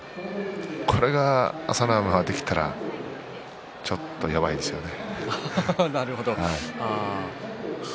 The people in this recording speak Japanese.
朝乃山がきたらちょっとやばいですけどね。